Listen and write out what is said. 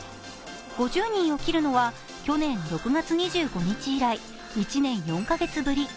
５０人を切るのは去年６月２５日以来、１年４カ月ぶり。